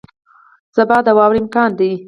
سبا د واورې امکان دی